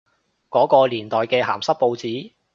嗰個年代嘅鹹濕報紙？